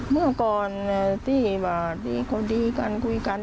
เมื่อก่อนพี่บาดเขาความดีกันคุยกัน